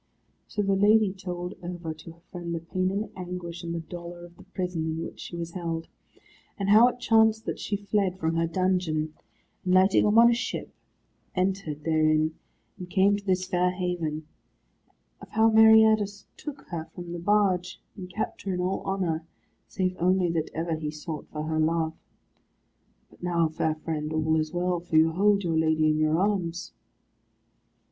So the lady told over to her friend the pain and the anguish and the dolour of the prison in which she was held; of how it chanced that she fled from her dungeon, and lighting upon a ship, entered therein, and came to this fair haven; of how Meriadus took her from the barge, but kept her in all honour, save only that ever he sought for her love; "but now, fair friend, all is well, for you hold your lady in your arms."